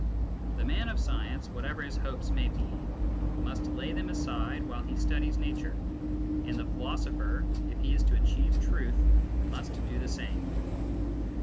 The man of science, whatever his hopes may be, must lay them aside while he studies nature ; and the philosopher, if he is to achieve truth must do the same.